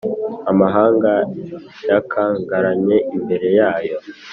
Amahanga yakangaranye imbere yayo,